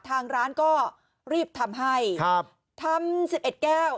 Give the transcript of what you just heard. ทางร้านก็รีบทำให้ครับทำ๑๑แก้ว